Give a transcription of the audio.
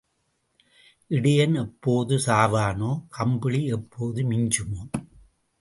இடையன் எப்போது சாவானோ, கம்பளி எப்போது மிஞ்சுமோ?